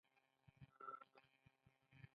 سخت پیغام هم په خورا اسانۍ ترې اخیستی شي.